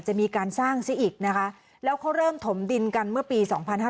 จะมีการสร้างซิอีกนะคะแล้วเขาเริ่มถมดินกันเมื่อปี๒๕๕๙